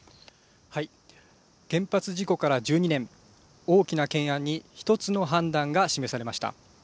原発事故から１２年、大きな懸案に１つの判断が示されました。